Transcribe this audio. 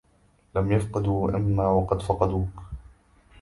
لم يفقدوا أما وقد فقدوك